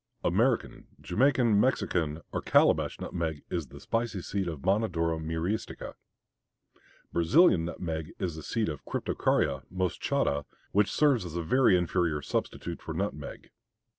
American, Jamaica, Mexican, or Calabash nutmeg is the spicy seed of Monodora Myristica. Brazilian nutmeg is the seed of Cryptocarya moschata, which serves as a very inferior substitute for nutmeg.